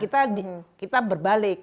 kitaadasi kita berbalik